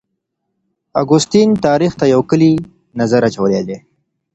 اګوستین تاریخ ته یو کلی نظر اچولی دی.